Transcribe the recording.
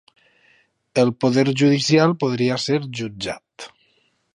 El poder judicial podria ser jutjat